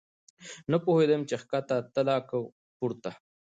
نه پوهېدم چې کښته تله که پورته.